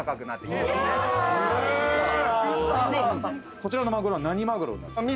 こちらのマグロは何マグロになるんですか？